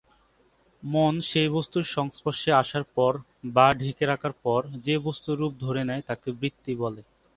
মন সেই বস্তুর সংস্পর্শে আসার পর বা ঢেকে রাখার পর যে বস্তুর রূপ ধরে নেয় তাকে বৃত্তি বলে।